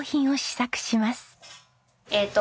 えっと